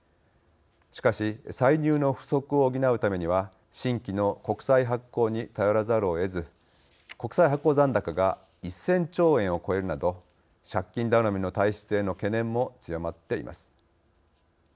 しかし歳入の不足を補うためには新規の国債発行に頼らざるをえず国債発行残高が１０００兆円を超えるなど借金頼みの体質への懸念も強まっています。